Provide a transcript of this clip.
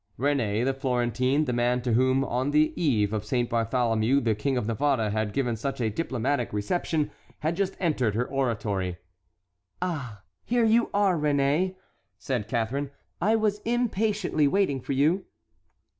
Réné the Florentine, the man to whom on the eve of Saint Bartholomew the King of Navarre had given such a diplomatic reception, had just entered her oratory. "Ah, here you are, Réné," said Catharine, "I was impatiently waiting for you."